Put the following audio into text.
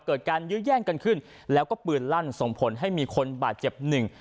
เกิดการยื้อแย่งกันขึ้นแล้วก็ปืนลั่นส่งผลให้มีคนบาดเจ็บหนึ่ง